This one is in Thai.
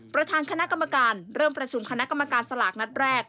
ประธานคณะกรรมการเริ่มประชุมคณะกรรมการสลากนัดแรก